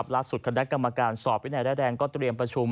ล่าสุดคณะกรรมการสอบวินัยและแรงก็เตรียมประชุม